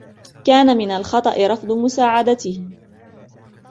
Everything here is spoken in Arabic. كان من الخطأ رفض مساعدته.